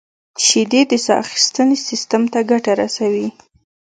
• شیدې د ساه اخیستنې سیستم ته ګټه رسوي.